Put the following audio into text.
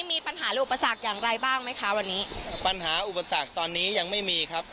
มีปัญหาหรืออุปสรรคอย่างไรบ้างไหมคะวันนี้ปัญหาอุปสรรคตอนนี้ยังไม่มีครับ